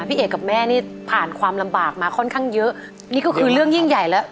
พี่เอกกับแม่นี่ผ่านความลำบากมาค่อนข้างเยอะนี่ก็คือเรื่องยิ่งใหญ่แล้ว